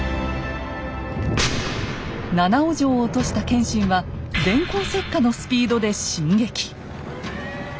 七尾城を落とした謙信は電光石火のスピードで進撃。